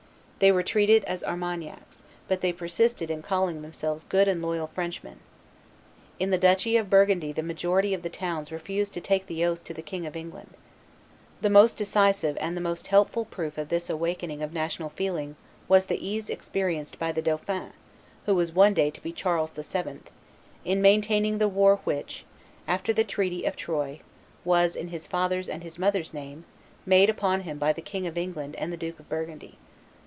They were treated as Armagnacs, but they persisted in calling themselves good and loyal Frenchmen. In the duchy of Burgundy the majority of the towns refused to take the oath to the King of England. The most decisive and the most helpful proof of this awakening of national feeling was the ease experienced by the dauphin, who was one day to be Charles VII., in maintaining the war which, after the treaty of Troyes, was, in his father's and his mother's name, made upon him by the King of England and the Duke of Burgundy.